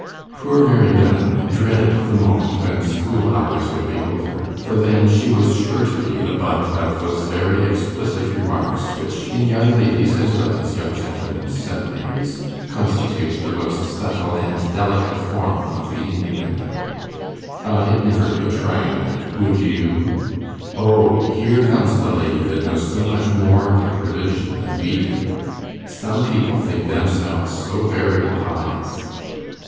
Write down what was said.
Poor Mary Dunn dreaded the moment when school hours would be over, for then she was sure to be the butt of those very explicit remarks which, in young ladies' as well as young gentlemen's seminaries, constitute the most subtle and delicate form of the innuendo. 'I'd never be a Tryanite, would you?' 'O here comes the lady that knows so much more about religion than we do!' 'Some people think themselves so very pious!